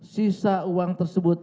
sisa uang tersebut